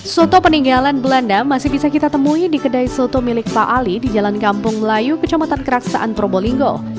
soto peninggalan belanda masih bisa kita temui di kedai soto milik pak ali di jalan kampung melayu kecamatan keraksaan probolinggo